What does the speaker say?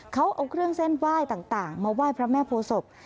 เขาเอาเครื่องเส้นไหว้ต่างมาไหว้พระแม่โพศพ